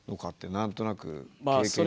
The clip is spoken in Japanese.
何となく経験上。